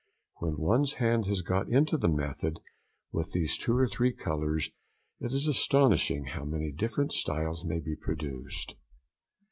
When one's hand has got into the method with these two or three colours it is astonishing how many different styles may be produced.